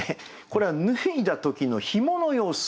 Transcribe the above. これは脱いだ時の紐の様子。